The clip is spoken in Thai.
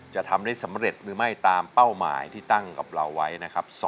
จะทำได้สำเร็จหรือไม่ตามเป้าหมายที่ตั้งกับเราไว้นะครับ